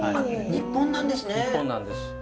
日本なんです。